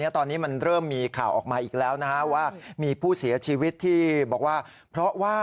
ตอนนี้มันเริ่มมีข่าวออกมาอีกแล้วว่ามีผู้เสียชีวิตที่บอกว่าเพราะว่า